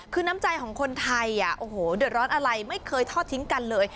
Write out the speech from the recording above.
คือน้ำใจของคนไทยโอ้โหเดือดร้อนอะไรไม่เคยทอดทิ้งกันเลย